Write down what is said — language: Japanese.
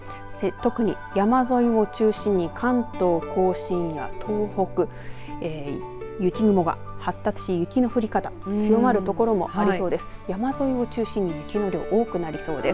特に山沿いを中心に関東甲信や東北雪雲が発達して、雪の降り方強まる所もありそうです。